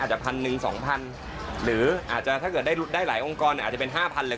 พันหนึ่ง๒๐๐หรืออาจจะถ้าเกิดได้หลายองค์กรอาจจะเป็น๕๐๐เลย